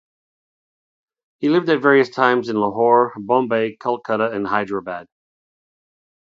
He lived at various times in Lahore, Bombay, Calcutta, and Hyderabad.